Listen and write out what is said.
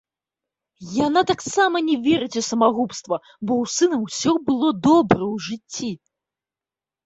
Яна таксама не верыць у самагубства, бо ў сына ўсё было добра ў жыцці.